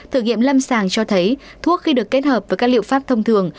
thử nghiệm lâm sàng cho thấy thuốc khi được kết hợp với các liệu pháp thông thường